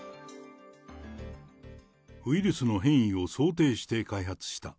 ウイルスの変異を想定して開発した。